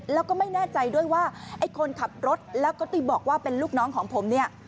แล้วก็ไม่แน่ใจด้วยว่าไอ้คนขับรถแล้วก็ไปบอกว่าเป็นลูกน้องของผมเนี่ย